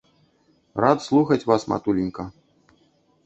Рад слухаць вас, матуленька.